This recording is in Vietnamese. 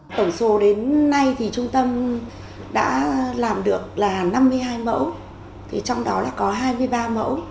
tổng số đến nay thì trung tâm đã làm được là năm mươi hai mẫu trong đó là có hai mươi ba mẫu